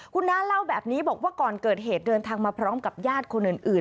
คุณน้าเล่าแบบนี้บอกว่าก่อนเกิดเหตุเดินทางมาพร้อมกับญาติคนอื่น